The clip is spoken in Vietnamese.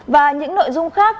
và những nội dung khác